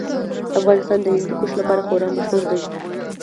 افغانستان د هندوکش لپاره خورا مشهور دی.